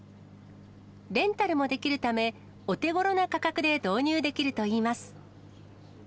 レンタルもできるため、お手ごろな価格で導入できるといいます。